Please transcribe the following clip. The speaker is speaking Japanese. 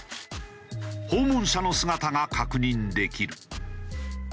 訪問者の姿が確認できる。